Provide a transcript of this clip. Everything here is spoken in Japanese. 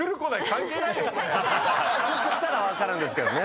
来たら分かるんですけどね。